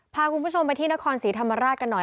พาคุณผู้ชมไปที่นครศรีธรรมราชกันหน่อย